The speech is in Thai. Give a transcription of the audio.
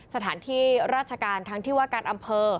สถานที่ราชการทั้งที่ว่าการอำเภอ